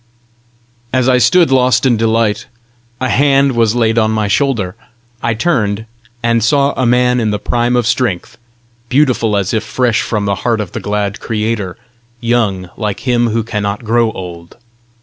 As I stood lost in delight, a hand was laid on my shoulder. I turned, and saw a man in the prime of strength, beautiful as if fresh from the heart of the glad creator, young like him who cannot grow old.